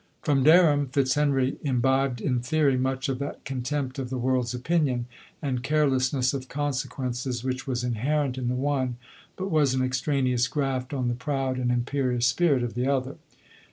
From Durham, Fitzhenry im bibed in theory much of that contempt of tin world's opinion, and carelessness of conse quences, which was inherent in the one, but was an extraneous graft on the proud and im perious spirit of the other.